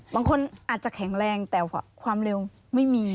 บางคนอาจจะแข็งแรงแต่ความเร็วไม่มี